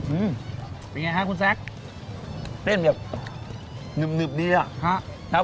อืมเป็นไงครับคุณแซคเป็นแบบหนึบหนึบดีอ่ะครับ